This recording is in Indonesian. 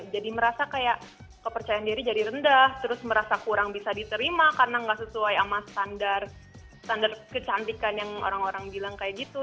jadi merasa kayak kepercayaan diri jadi rendah terus merasa kurang bisa diterima karena gak sesuai sama standar kecantikan yang orang orang bilang kayak gitu